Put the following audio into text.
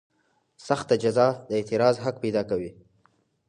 سخته جزا د اعتراض حق پیدا کوي.